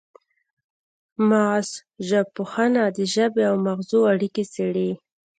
مغزژبپوهنه د ژبې او مغزو اړیکې څیړي